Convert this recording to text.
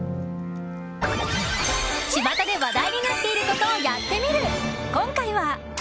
巷で話題になっていることを「やってみる。」、今回は。